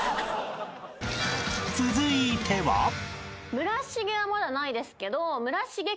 村重はまだないですけど。